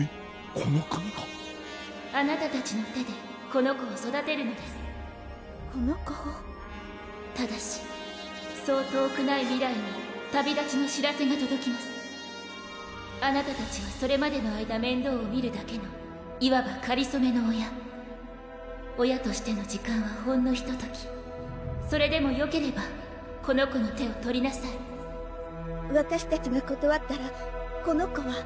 この国が⁉あなたたちの手でこの子をこの子をただしそう遠くない未来あなたたちはそれまでの間面倒を見るだけのいわばかりそめの親親としての時間はほんのひとときそれでもよければこの子の手を取りなさいわたしたちがことわったらこの子は？